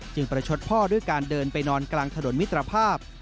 ประชดพ่อด้วยการเดินไปนอนกลางถนนมิตรภาพ